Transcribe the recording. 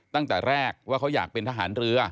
ตั้งแต่แรกว่าเขาอยากเป็นทหารเรือ